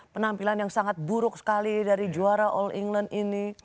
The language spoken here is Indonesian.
penampilan yang sangat buruk sekali dari juara all england ini